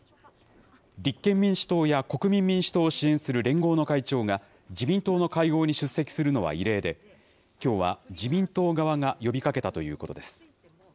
立憲民主党や国民民主党を支援する連合の会長が、自民党の会合に出席するのは異例で、きょうは自民党側が呼びかけたということです。